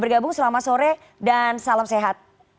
bergabung selamat sore dan salam sehat